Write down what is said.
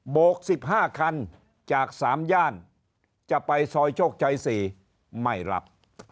โกก๑๕คันจาก๓ย่านจะไปซอยโชคชัย๔ไม่รับ